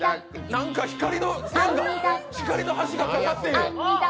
何か光の橋がかかっている。